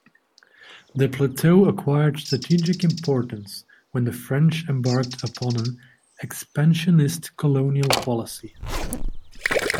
The plateau acquired strategic importance when the French embarked upon an expansionist colonial policy.